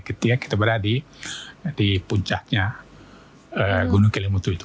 ketika kita berada di puncaknya gunung kilimutu itu